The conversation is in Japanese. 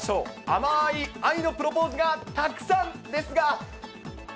甘い愛のプロポーズがたくさんですが。